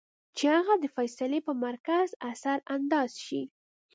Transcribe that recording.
چې هغه د فېصلې پۀ مرکز اثر انداز شي -